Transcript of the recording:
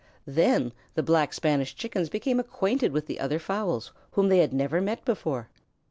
Then the Black Spanish Chickens became acquainted with the other fowls whom they had never met before.